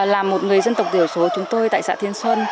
là một người dân tộc thiểu số chúng tôi tại xã thiên xuân